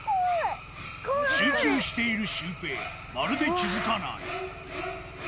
集中しているシュウペイ、まるで気付かない。